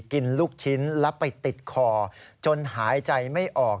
ลูกชิ้นแล้วไปติดคอจนหายใจไม่ออก